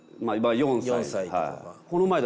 まあ今４歳。